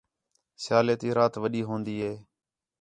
سیالے تی رات وݙی ہون٘دی ہِے